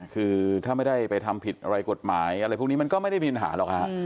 คือถ้าไม่ได้ไปทำผิดอะไรกฎหมายอะไรพวกนี้มันก็ไม่ได้มีปัญหาหรอกฮะ